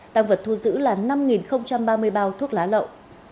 tăng vật thu giữ là năm ba mươi bao thuốc lá lậu